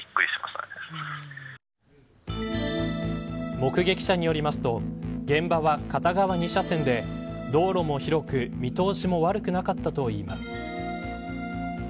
目撃者によりますと現場は片側２車線で道路も広く、見通しも悪くなかったといいます。